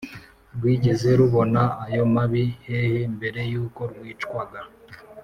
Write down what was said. rwigeze rubona ayo mabi hehe mbere y’uko rwicwaga